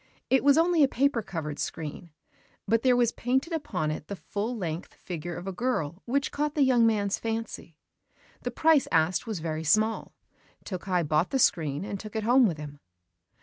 It was only a paper covered screen; but there was painted upon it the full length figure of a girl which caught the young man's fancy. The price asked was very small: Tokkei bought the screen, and took it home with him.